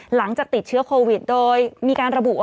หลังจากติดเชื้อโควิดโดยมีการระบุ